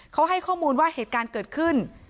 เขาให้ข้อมูลว่าเหตุการณ์เกิดขึ้น